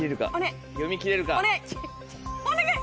お願い！